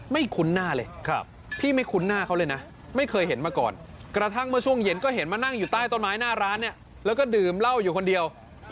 ไม่คุ้นหน้าเลย